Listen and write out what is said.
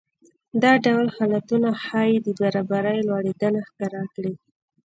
دا ډول حالتونه ښايي د برابرۍ لوړېدنه ښکاره کړي